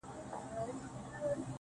يو يمه خو,